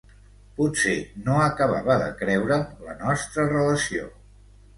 Potser no acabava de creure’m la nostra relació.